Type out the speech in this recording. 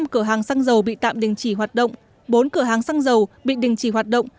năm cửa hàng xăng dầu bị tạm đình chỉ hoạt động bốn cửa hàng xăng dầu bị đình chỉ hoạt động